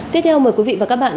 tiếp theo mời quý vị và các bạn